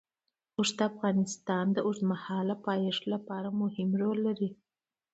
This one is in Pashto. اوښ د افغانستان د اوږدمهاله پایښت لپاره مهم رول لري.